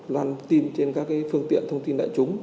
loan tin trên các phương tiện thông tin đại chúng